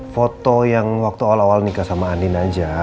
foto yang waktu awal awal nikah sama andin aja